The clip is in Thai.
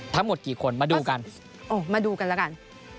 ทั้งหมดกี่คนมาดูกันมาดูกันแล้วกัน